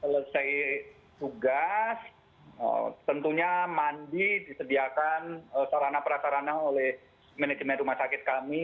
selesai tugas tentunya mandi disediakan sarana perasarana oleh manajemen rumah sakit kami